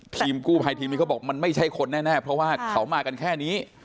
ทีมกู้ภัยทีมนี้เขาบอกมันไม่ใช่คนแน่เพราะว่าเขามากันแค่นี้